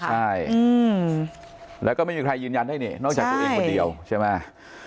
ใช่แล้วก็ไม่มีใครยืนยันได้นี่นอกจากตัวเองคนเดียวใช่ไหม